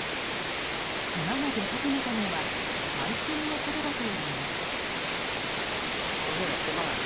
クマが出始めたのは最近のことだといいます。